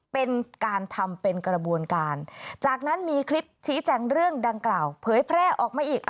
เป็นการทำเป็นกระบวนการจากนั้นมีคลิปชี้แจงเรื่องดังกล่าวเผยแพร่ออกมาอีก